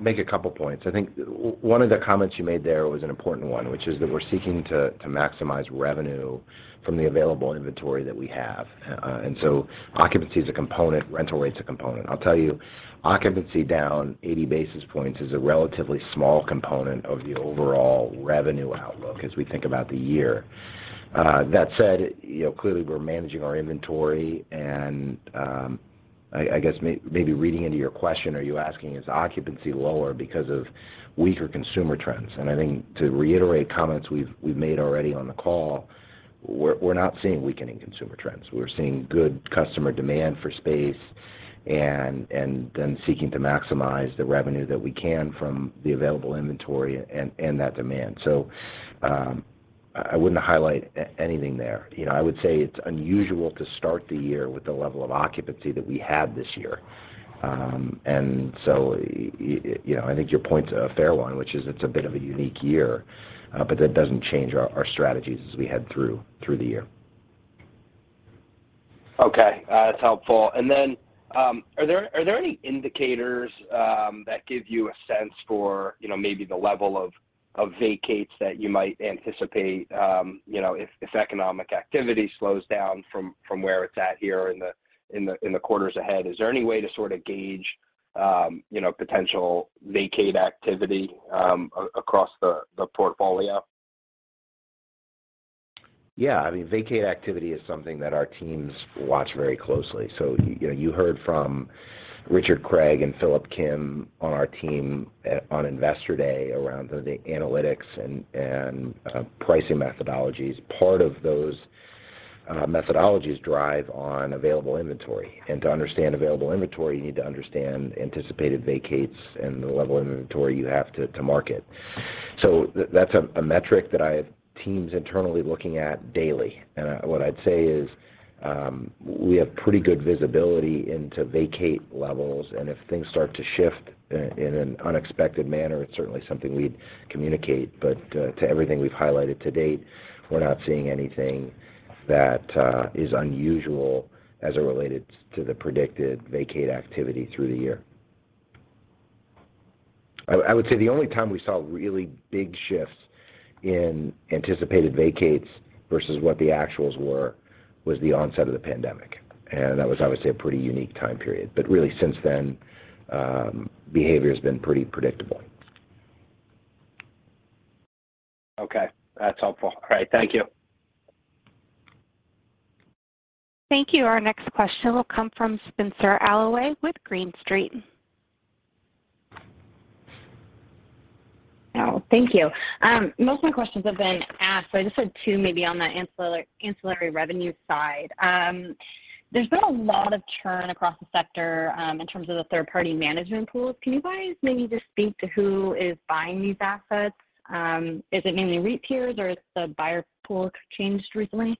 make a couple points. I think one of the comments you made there was an important one, which is that we're seeking to maximize revenue from the available inventory that we have. Occupancy is a component, rental rate's a component. I'll tell you, occupancy down 80 basis points is a relatively small component of the overall revenue outlook as we think about the year. That said, you know, clearly we're managing our inventory and, I guess maybe reading into your question, are you asking is occupancy lower because of weaker consumer trends? I think to reiterate comments we've made already on the call, we're not seeing weakening consumer trends. We're seeing good customer demand for space and then seeking to maximize the revenue that we can from the available inventory and that demand. I wouldn't highlight anything there. You know, I would say it's unusual to start the year with the level of occupancy that we had this year. You know, I think your point's a fair one, which is it's a bit of a unique year. That doesn't change our strategies as we head through the year. Okay. That's helpful. Are there any indicators that give you a sense for, you know, maybe the level of vacates that you might anticipate, you know, if economic activity slows down from where it's at here in the quarters ahead? Is there any way to sort of gauge, you know, potential vacate activity across the portfolio? Yeah. I mean, vacate activity is something that our teams watch very closely. You know, you heard from Richard Craig and Philip Kim on our team on Investor Day around the analytics and pricing methodologies. Part of those methodologies drive on available inventory. To understand available inventory, you need to understand anticipated vacates and the level of inventory you have to market. That's a metric that I have teams internally looking at daily. What I'd say is, we have pretty good visibility into vacate levels, and if things start to shift in an unexpected manner, it's certainly something we'd communicate. To everything we've highlighted to date, we're not seeing anything that is unusual as it related to the predicted vacate activity through the year. I would say the only time we saw really big shifts in anticipated vacates versus what the actuals were was the onset of the pandemic, and that was obviously a pretty unique time period. Really since then, behavior's been pretty predictable. Okay. That's helpful. All right. Thank you. Thank you. Our next question will come from Spenser Allaway with Green Street. Oh, thank you. Most of my questions have been asked, but I just had two maybe on the ancillary revenue side. There's been a lot of churn across the sector, in terms of the third-party management pools. Can you guys maybe just speak to who is buying these assets? Is it mainly REIT peers, or has the buyer pool changed recently?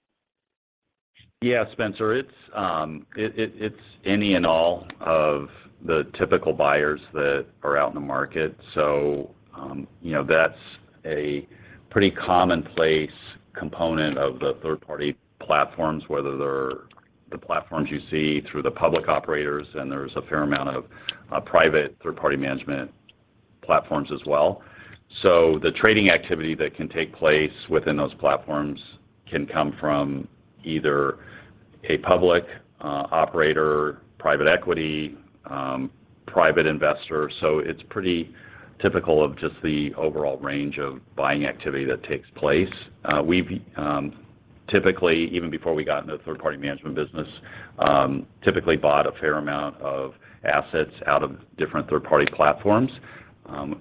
Yeah, Spenser. It's any and all of the typical buyers that are out in the market. You know, that's a pretty commonplace component of the third-party platforms, whether they're the platforms you see through the public operators, and there's a fair amount of private third-party management platforms as well. The trading activity that can take place within those platforms can come from either a public operator, private equity, private investor. It's pretty typical of just the overall range of buying activity that takes place. We've typically, even before we got into the third-party management business, typically bought a fair amount of assets out of different third-party platforms.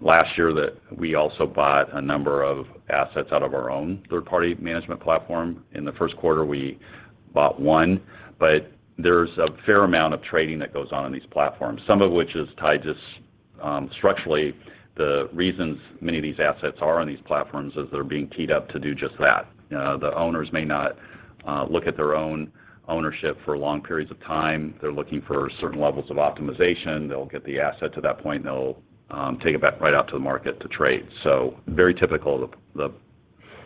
Last year, we also bought a number of assets out of our own third-party management platform. In the first quarter, we bought one. There's a fair amount of trading that goes on in these platforms, some of which is tied to structurally, the reasons many of these assets are on these platforms is they're being teed up to do just that. The owners may not look at their own ownership for long periods of time. They're looking for certain levels of optimization. They'll get the asset to that point, and they'll take it back right out to the market to trade. Very typical of the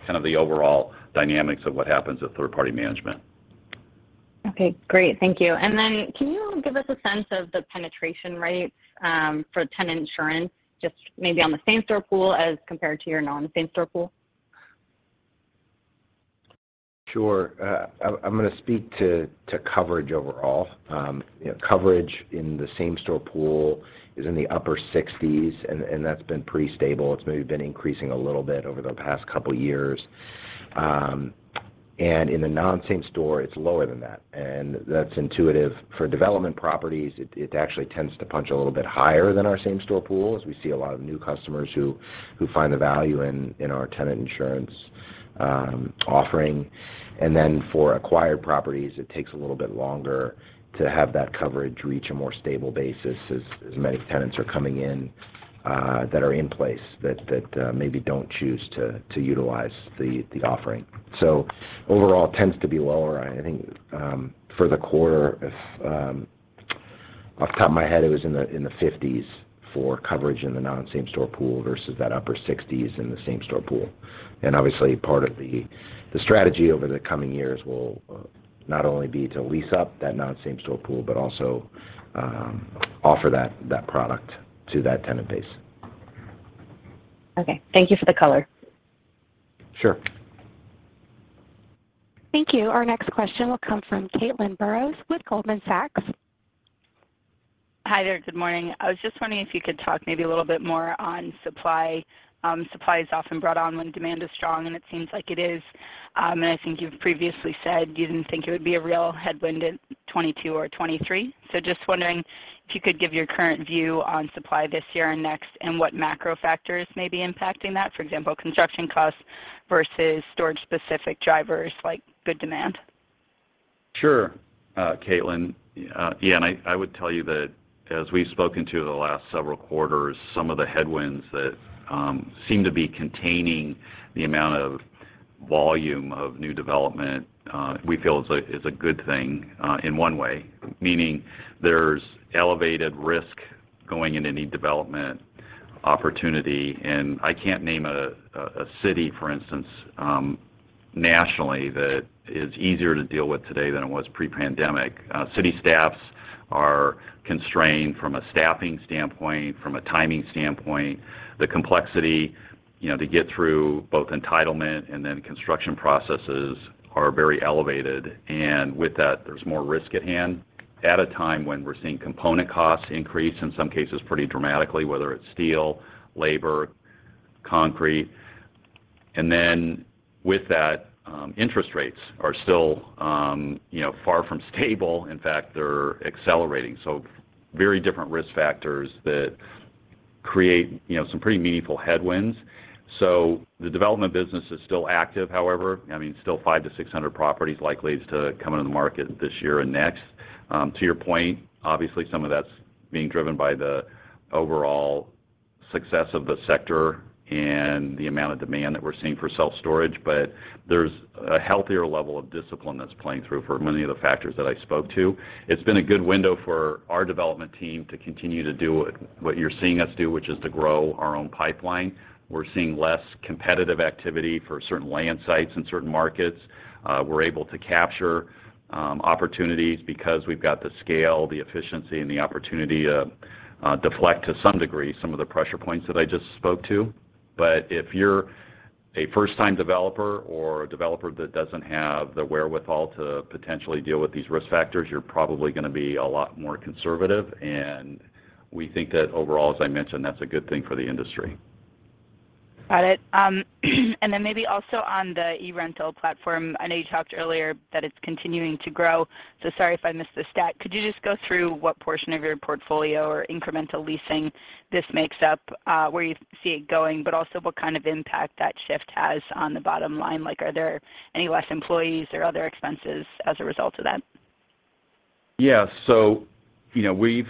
kind of overall dynamics of what happens with third-party management. Okay. Great. Thank you. Can you give us a sense of the penetration rates for tenant insurance, just maybe on the same-store pool as compared to your non-same store pool? Sure. I'm gonna speak to coverage overall. You know, coverage in the same store pool is in the upper 60s% and that's been pretty stable. It's maybe been increasing a little bit over the past couple years. In the non-same store, it's lower than that, and that's intuitive. For development properties, it actually tends to punch a little bit higher than our same-store pool, as we see a lot of new customers who find the value in our tenant insurance offering. For acquired properties, it takes a little bit longer to have that coverage reach a more stable basis as many tenants are coming in that are in place that maybe don't choose to utilize the offering. Overall, it tends to be lower. I think for the quarter off the top of my head it was in the 50s for coverage in the non-same store pool versus that upper 60s in the same store pool. Obviously, part of the strategy over the coming years will not only be to lease up that non-same store pool, but also offer that product to that tenant base. Okay. Thank you for the color. Sure. Thank you. Our next question will come from Caitlin Burrows with Goldman Sachs. Hi there. Good morning. I was just wondering if you could talk maybe a little bit more on supply. Supply is often brought on when demand is strong, and it seems like it is. I think you've previously said you didn't think it would be a real headwind in 2022 or 2023. Just wondering if you could give your current view on supply this year and next, and what macro factors may be impacting that. For example, construction costs versus storage-specific drivers like good demand. Sure, Caitlin. Yeah, I would tell you that as we've spoken to the last several quarters, some of the headwinds that seem to be containing the amount of volume of new development, we feel is a good thing, in one way, meaning there's elevated risk going into any development opportunity. I can't name a city, for instance, nationally that is easier to deal with today than it was pre-pandemic. City staffs are constrained from a staffing standpoint, from a timing standpoint. The complexity, you know, to get through both entitlement and then construction processes are very elevated. With that, there's more risk at hand at a time when we're seeing component costs increase, in some cases pretty dramatically, whether it's steel, labor, concrete. With that, interest rates are still, you know, far from stable. In fact, they're accelerating. Very different risk factors that create, you know, some pretty meaningful headwinds. The development business is still active, however. I mean, still 500-600 properties likely is to come into the market this year and next. To your point, obviously, some of that's being driven by the overall success of the sector and the amount of demand that we're seeing for self-storage. But there's a healthier level of discipline that's playing through for many of the factors that I spoke to. It's been a good window for our development team to continue to do what you're seeing us do, which is to grow our own pipeline. We're seeing less competitive activity for certain land sites in certain markets. We're able to capture opportunities because we've got the scale, the efficiency, and the opportunity to deflect to some degree some of the pressure points that I just spoke to. If you're a first-time developer or a developer that doesn't have the wherewithal to potentially deal with these risk factors, you're probably gonna be a lot more conservative. We think that overall, as I mentioned, that's a good thing for the industry. Got it. Maybe also on the eRental platform, I know you talked earlier that it's continuing to grow, so sorry if I missed the stat. Could you just go through what portion of your portfolio or incremental leasing this makes up, where you see it going, but also what kind of impact that shift has on the bottom line? Like, are there any less employees or other expenses as a result of that? Yeah. You know, we've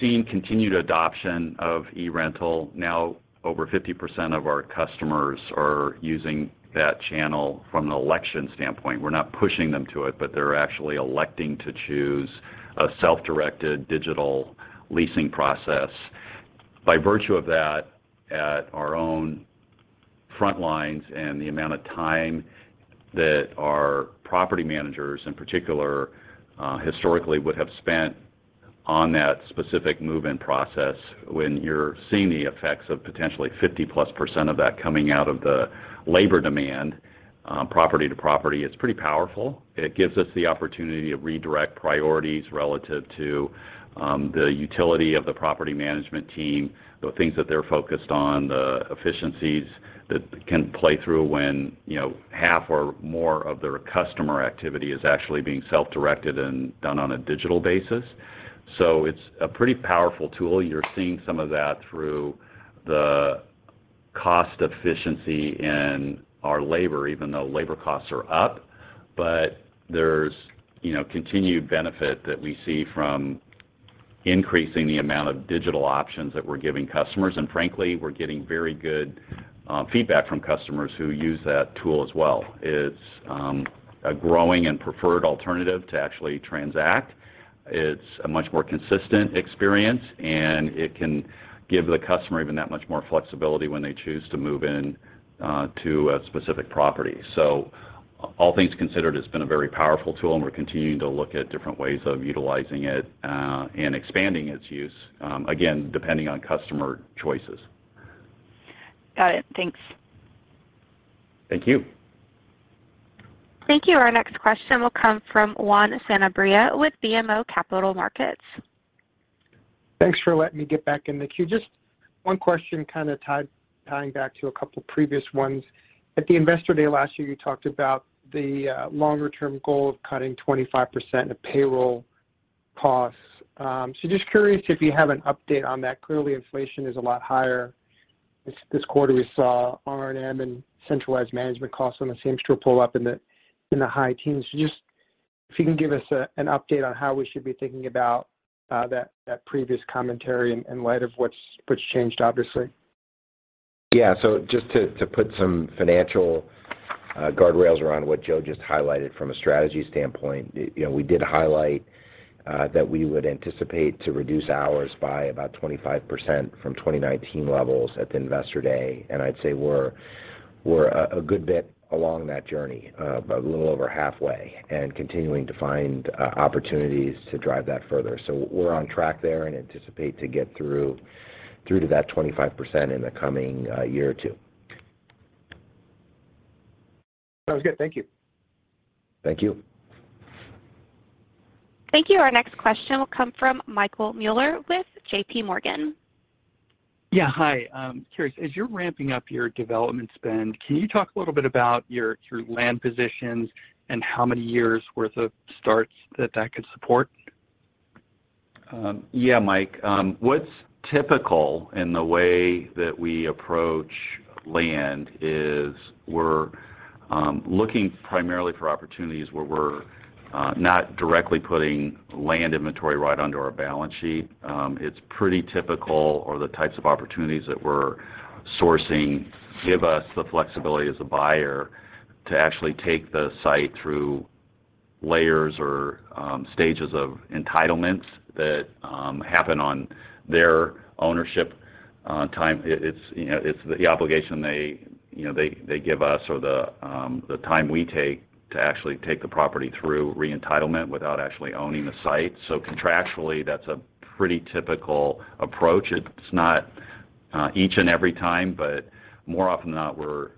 seen continued adoption of eRental. Now over 50% of our customers are using that channel from a selection standpoint. We're not pushing them to it, but they're actually electing to choose a self-directed digital leasing process. By virtue of that, at our own front lines and the amount of time that our property managers, in particular, historically would have spent on that specific move-in process, when you're seeing the effects of potentially 50+% of that coming out of the labor demand, property to property, it's pretty powerful. It gives us the opportunity to redirect priorities relative to the utility of the property management team, the things that they're focused on, the efficiencies that can play through when, you know, half or more of their customer activity is actually being self-directed and done on a digital basis. It's a pretty powerful tool. You're seeing some of that through the cost efficiency in our labor, even though labor costs are up. There's, you know, continued benefit that we see from increasing the amount of digital options that we're giving customers, and frankly, we're getting very good feedback from customers who use that tool as well. It's a growing and preferred alternative to actually transact. It's a much more consistent experience, and it can give the customer even that much more flexibility when they choose to move in to a specific property. All things considered, it's been a very powerful tool, and we're continuing to look at different ways of utilizing it and expanding its use again, depending on customer choices. Got it. Thanks. Thank you. Thank you. Our next question will come from Juan Sanabria with BMO Capital Markets. Thanks for letting me get back in the queue. Just one question kind of tying back to a couple of previous ones. At the Investor Day last year, you talked about the longer term goal of cutting 25% of payroll costs. Just curious if you have an update on that. Clearly, inflation is a lot higher. This quarter we saw R&M and centralized management costs on the same strip pull up in the high teens. Just if you can give us an update on how we should be thinking about that previous commentary in light of what's changed, obviously. Yeah. Just to put some financial guardrails around what Joe just highlighted from a strategy standpoint, you know, we did highlight that we would anticipate to reduce hours by about 25% from 2019 levels at the Investor Day. I'd say we're a good bit along that journey, a little over halfway, and continuing to find opportunities to drive that further. We're on track there and anticipate to get through to that 25% in the coming year or two. Sounds good. Thank you. Thank you. Thank you. Our next question will come from Michael Mueller with JPMorgan. Yeah. Hi. I'm curious, as you're ramping up your development spend, can you talk a little bit about your land positions and how many years worth of starts that could support? Yeah, Mike. What's typical in the way that we approach land is we're looking primarily for opportunities where we're not directly putting land inventory right onto our balance sheet. It's pretty typical of the types of opportunities that we're sourcing give us the flexibility as a buyer to actually take the site through layers or stages of entitlements that happen on their ownership time. It's, you know, it's the obligation they give us or the time we take to actually take the property through re-entitlement without actually owning the site. Contractually, that's a pretty typical approach. It's not each and every time, but more often than not, we're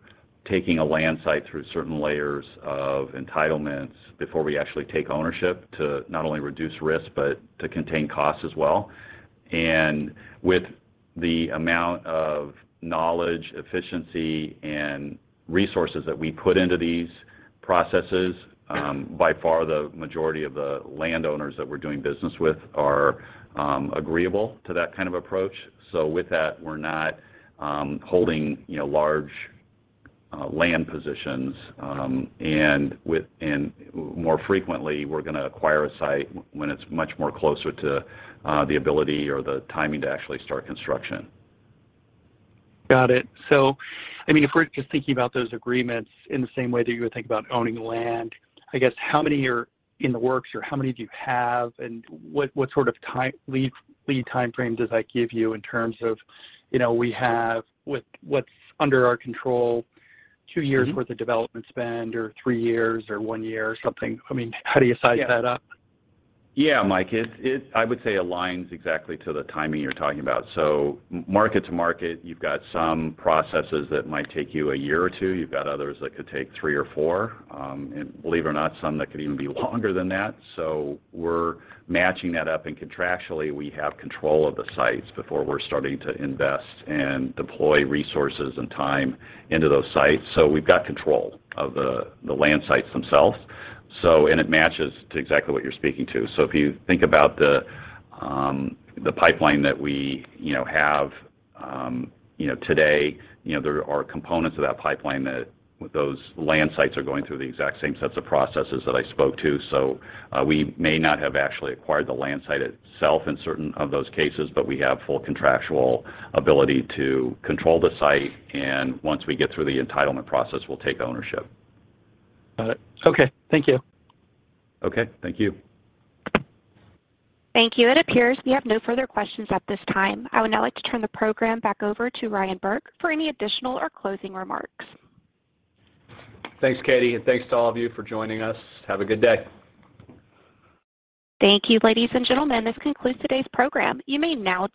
taking a land site through certain layers of entitlements before we actually take ownership to not only reduce risk, but to contain costs as well. With the amount of knowledge, efficiency, and resources that we put into these processes, by far the majority of the landowners that we're doing business with are agreeable to that kind of approach. With that, we're not holding, you know, large land positions, and more frequently, we're gonna acquire a site when it's much more closer to the ability or the timing to actually start construction. Got it. I mean, if we're just thinking about those agreements in the same way that you would think about owning land, I guess how many are in the works, or how many do you have and what sort of lead time frames does that give you in terms of, you know, we have with what's under our control, two years. Mm-hmm. worth of development spend or three years or one year or something? I mean, how do you size that up? Yeah, Mike, I would say aligns exactly to the timing you're talking about. Market to market, you've got some processes that might take you a year or two. You've got others that could take three or four. Believe it or not, some that could even be longer than that. We're matching that up, and contractually, we have control of the sites before we're starting to invest and deploy resources and time into those sites. We've got control of the land sites themselves. It matches to exactly what you're speaking to. If you think about the pipeline that we, you know, have, you know, today, you know, there are components of that pipeline that those land sites are going through the exact same sets of processes that I spoke to. We may not have actually acquired the land site itself in certain of those cases, but we have full contractual ability to control the site, and once we get through the entitlement process, we'll take ownership. Got it. Okay. Thank you. Okay. Thank you. Thank you. It appears we have no further questions at this time. I would now like to turn the program back over to Ryan Burke for any additional or closing remarks. Thanks, Katie, and thanks to all of you for joining us. Have a good day. Thank you, ladies and gentlemen. This concludes today's program. You may now